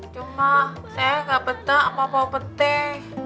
cuma saya gak peta apa mau petek